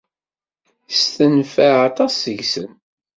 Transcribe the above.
Istenfiɛ aṭas seg-sen.